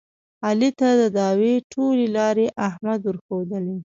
علي ته د دعوې ټولې لارې احمد ورښودلې.